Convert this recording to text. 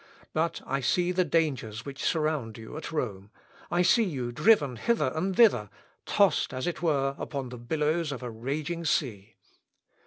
But I see the dangers which surround you at Rome, I see you driven hither and thither, tossed as it were upon the billows of a raging sea.